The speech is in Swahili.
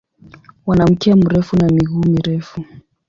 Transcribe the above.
Wana mkia mrefu na miguu mirefu.